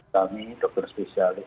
kami dokter spesial